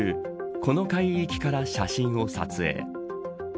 この海域から写真を撮影。